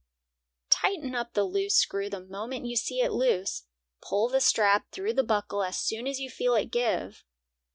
Tighten up the loose screw the moment you see it is loose. Pull the strap through the buckle as soon as you feel it give.